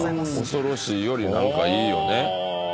「恐ろしい」より何かいいよね。